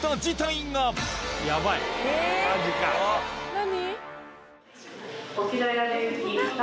何？